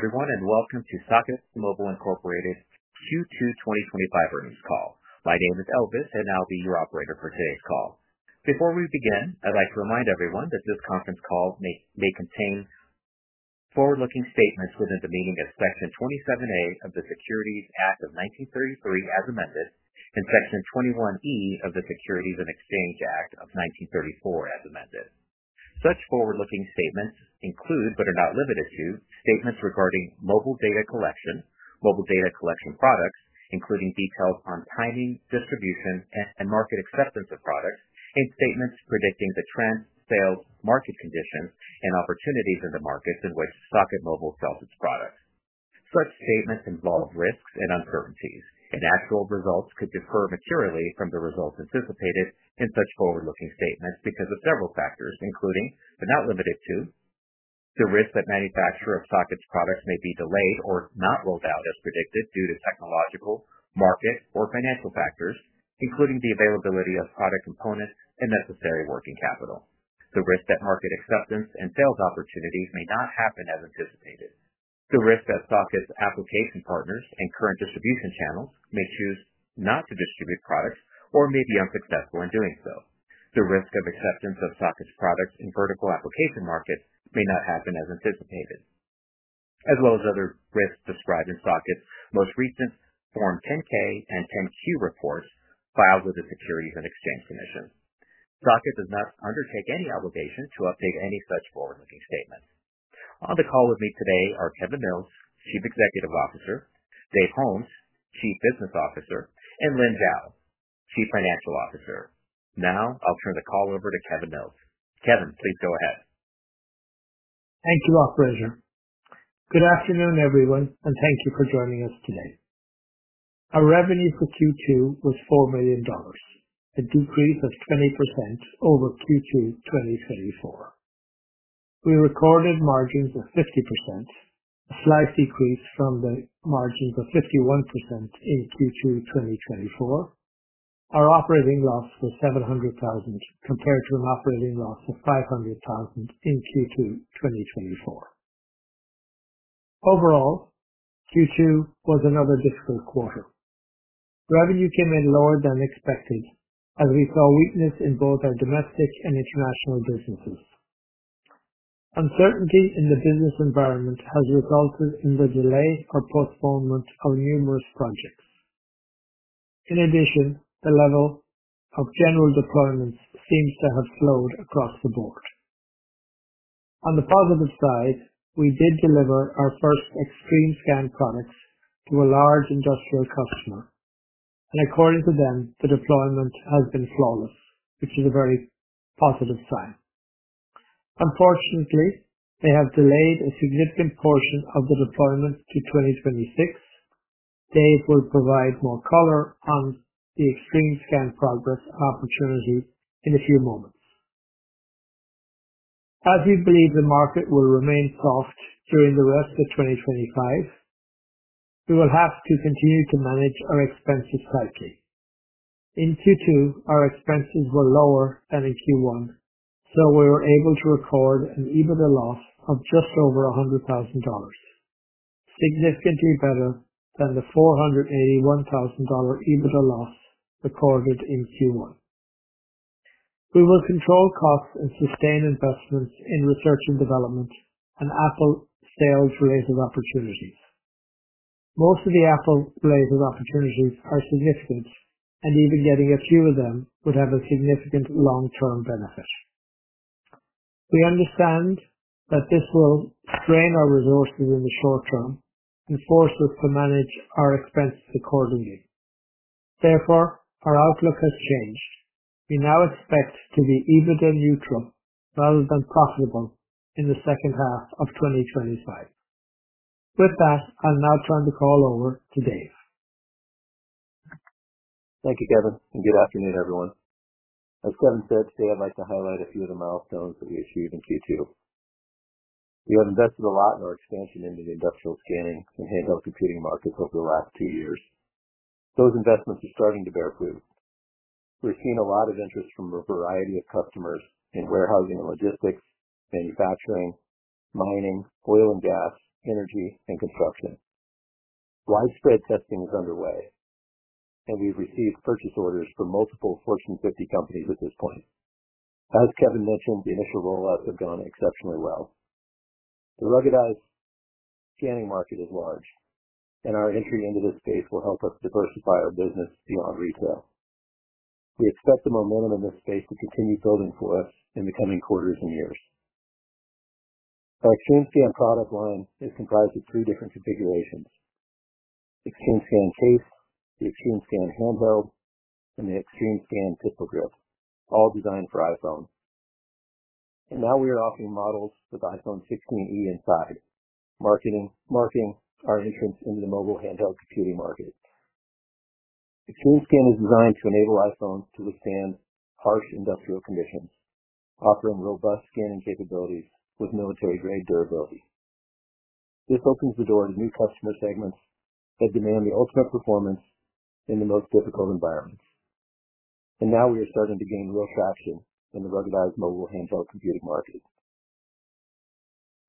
Everyone, and welcome to Socket Mobile Incorporated Q2 2025 earnings call. My name is Elvis and I'll be your operator for today's call. Before we begin, I'd like to remind everyone that this conference call may contain forward-looking statements within the meaning of Section 27A of the Securities Act of 1933 as amended and Section 21E of the Securities Exchange Act of 1934 as amended. Such forward-looking statements include, but are not limited to, statements regarding mobile data collection, mobile data collection products, including details on timing, distribution, and market acceptance of products, and statements predicting the trend, sales, market conditions, and opportunities in the markets in which Socket Mobile sells its products. Such statements involve risks and uncertainties and actual results could differ materially from the results anticipated in such forward-looking statements because of several factors including, but not limited to, the risk that manufacture of Socket's products may be delayed or not rolled out as predicted due to technological, market, or financial factors, including the availability of product components and necessary working capital, the risk that market acceptance and sales opportunities may not happen as anticipated, the risk that Socket's application partners and current distribution channels may choose not to distribute products or may be unsuccessful in doing so. The risk of acceptance of Socket's products in vertical application markets may not happen as anticipated, as well as other risks described in Socket's most recent Form 10-K and 10-Q report filed with the Securities and Exchange Commission. Socket does not undertake any obligation to update any such forward-looking statements. On the call with me today are Kevin Mills, Chief Executive Officer, Dave Holmes, Chief Business Officer, and Lynn Zhao, Chief Financial Officer. Now I'll turn the call over to Kevin Mills. Kevin, please go ahead. Thank you, operator. Good afternoon everyone and thank you for joining us today. Our revenue for Q2 was $4 million, a decrease of 70% over Q3 2024. We recorded margins of 50%, slightly decreased from the margins of 51% in Q2 2024. Our operating loss was $700,000 compared to an operating loss of $500,000 in Q2 2024. Overall, Q2 was another difficult quarter. Revenue came in lower than expected as we saw weakness in both our domestic and international businesses. Uncertainty in the business environment has resulted in the delays or postponement of numerous projects. In addition, the level of general deployments seems to have slowed across the board. On the positive side, we did deliver our first XtremeScan products to a large industrial customer and according to them the deployment has been flawless, which is a very positive sign. Unfortunately, they have delayed a significant portion of the deployment to 2026. Dave will provide more color on the XtremeScan progress opportunity in a few moments as we believe the market will remain soft during the rest of 2025. We will have to continue to manage our expenses tightly. In Q2, our expenses were lower than in Q1, so we were able to record an adjusted EBITDA loss of just over $100,000, significantly better than the $481,000 adjusted EBITDA loss recorded in Q1. We will control costs and sustain investments in research and development and Apple sales related opportunities. Most of the Apple related opportunities are significant and even getting a few of them would have a significant long term benefit. We understand that this will strain our. Resources in the short term and force us to manage our expenses accordingly. Therefore, our outlook has changed. We now expect to be EBITDA neutral rather than profitable in the second half of 2025. With that, I'll now turn the call over to Dave. Thank you, Kevin, and good afternoon, everyone. As Kevin said today, I'd like to highlight a few of the milestones that we achieved in Q2. You have invested a lot in our expansion into the industrial scanning and handheld computing markets over the last two years. Those investments are starting to bear fruit. We've seen a lot of interest from a variety of customers in warehousing and logistics, manufacturing, mining, oil and gas, energy, and construction. Widespread testing is underway, and we've received purchase orders from multiple Fortune 50 companies at this point. As Kevin mentioned, the initial rollouts have gone exceptionally well. The ruggedized scanning market is large, and our entry into this space will help us diversify our business beyond retail. We expect the momentum in this space to continue building for us in the coming quarters and years. Our XtremeScan product line is comprised of three different configurations: XtremeScan case, the XtremeScan hand belt, and the XtremeScan pistol grip, all designed for iPhone. We are now offering models with iPhone 16e inside, marking our entrance into the mobile handheld computing market. The XtremeScan is designed to enable iPhone to withstand harsh industrial conditions, offering robust scanning capabilities with military-grade durability. This opens the door to new customer segments that demand the ultimate performance in the most difficult environments. We are starting to gain real traction in the ruggedized mobile handheld computing market.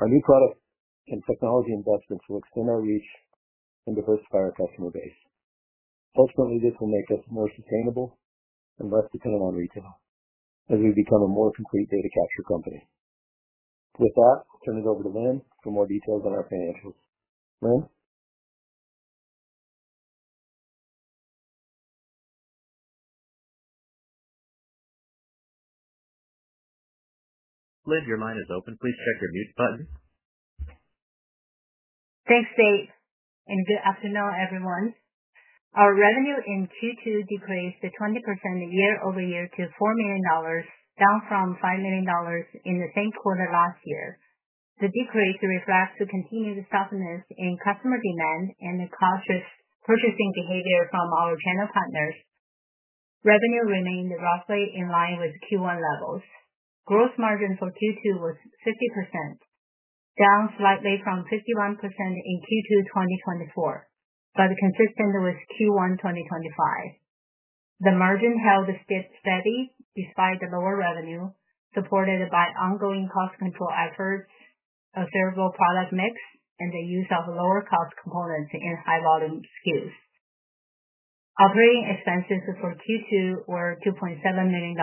Our new product and technology investments will extend our reach and diversify our customer base. Ultimately, this will make us more sustainable and less dependent on retail as we become a more complete data capture company. With that, I'll turn it over to Lynn for more details on our financials. Lynn, your line is open. Please check your mute button. Thanks Dave and good afternoon everyone. Our revenue in Q2 decreased 20% year-over-year to $4 million, down from $5 million in the same quarter last year. The decrease reflects the continued softness in customer demand and the cautious purchasing behavior from our channel partners. Revenue remained roughly in line with Q1 levels. Gross margin for Q2 was 50%, down slightly from 51% in Q2 2024 but consistent with Q1 2025. The margin held steady despite the lower revenue, supported by ongoing cost control efforts, a favorable product mix, and the use of lower cost components in high volume SKUs. Operating expenses for Q2 were $2.7 million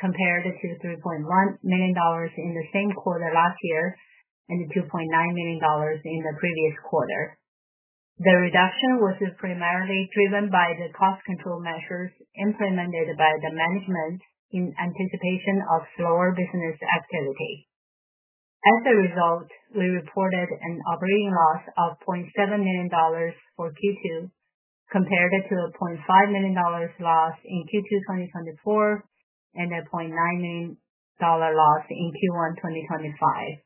compared to $3.1 million in the same quarter last year and $2.9 million in the previous quarter. The reduction was primarily driven by the cost control measures implemented by the management in anticipation of slower business activity. As a result, we reported an operating loss of $0.7 million for Q2 compared to a $0.5 million loss in Q2 2024 and a $0.9 million loss in Q1 2025.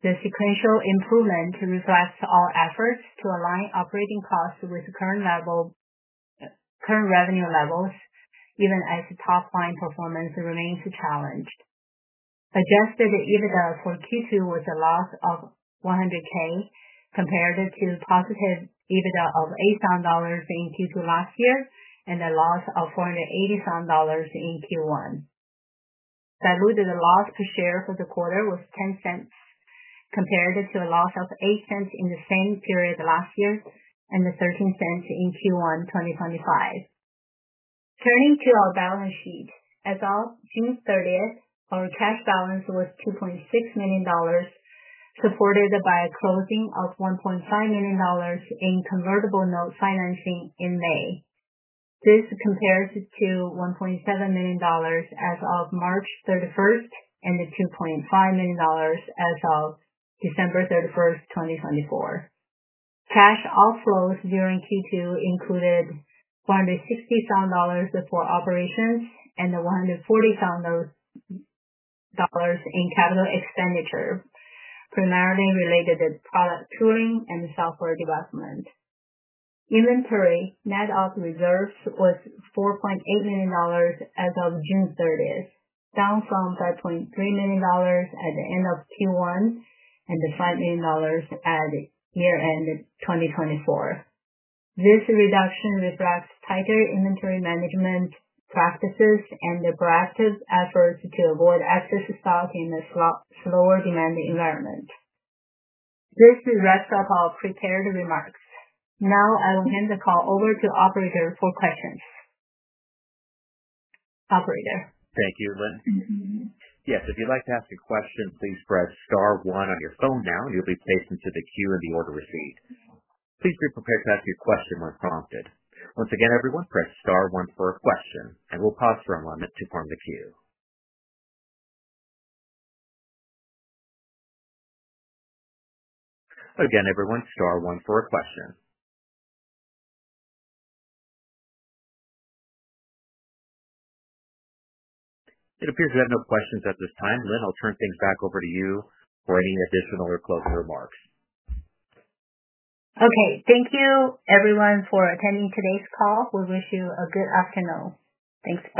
The sequential improvement reflects our efforts to align operating costs with current revenue levels even as top line performance remains challenged. Adjusted EBITDA for Q2 was a loss of $100,000 compared to positive EBITDA of $8,000 in Q2 last year and a loss of $480,000 in Q1. Diluted loss per share for the quarter was $0.10 compared to a loss of $0.08 in the same period last year and $0.13 in Q1 2025. Turning to our balance sheet, as of June 30th our cash balance was $2.6 million, supported by a closing of $1.5 million in convertible note financing in May. This compares to $1.7 million as of March 31st and $2.5 million as of December 31st, 2024. Cash outflows during Q2 included $560,000 for operations and $140,000 in capital expenditure, primarily related to product tooling and software development. Inventory net of reserves was $4.8 million as of June 30th, down from $5.3 million at the end of Q1 and $5 million at year end 2024. This reduction reflects tighter inventory management practices and proactive efforts to avoid excess stock in a slower demand environment. This wraps up our prepared remarks now. I will hand the call over to Operator for questions. Operator, thank you everyone. Yes, if you'd like to ask a question, please press star 1 on your phone now, and you'll be placed into the queue in the order received. Please be prepared to ask your question when prompted. Once again, everyone, press star 1 for a question, and we'll pause for a moment to form the queue. Again, everyone, star 1 for a question. It appears we have no questions at this time. Lynn, I'll turn things back over to you for any additional or closing remarks. Okay. Thank you, everyone, for attending today's call. We wish you a good afternoon. Thanks.